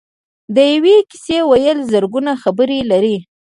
د یوې کیسې ویل زرګونه خبرې لري.